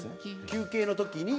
休憩の時に？